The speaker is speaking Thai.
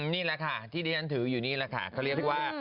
นี่แหละค่ะที่ดิฉันถืออยู่นี่แหละค่ะ